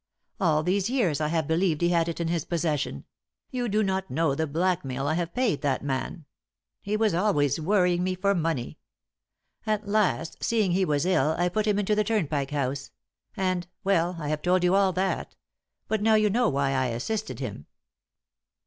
All these years I have believed he had it in his possession; you do not know the blackmail I have paid that man! He was always worrying me for money. At last, seeing he was ill, I put him into the Turnpike House, and well, I have told you all that. But now you know why I assisted him."